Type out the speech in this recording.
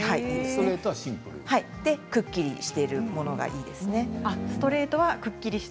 ストレートはくっきりしているものがいいですね。